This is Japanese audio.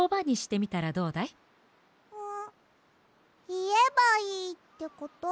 いえばいいってこと？